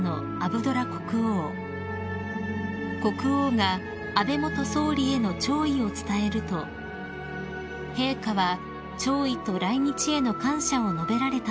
［国王が安倍元総理への弔意を伝えると陛下は弔意と来日への感謝を述べられたということです］